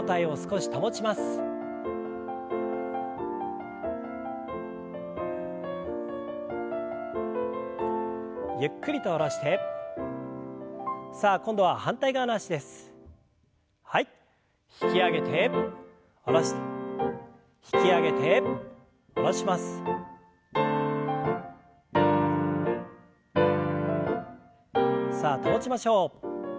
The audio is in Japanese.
さあ保ちましょう。